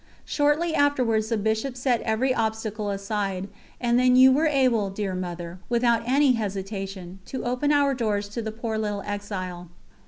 Shortly afterwards the Bishop set every obstacle aside, and then you were able, dear Mother, without any hesitation, to open our doors to the poor little exile.